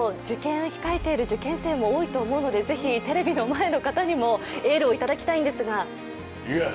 受験を控えている受験生も多いと思うので、ぜひテレビの前の方にもエールをいただきたいんですが。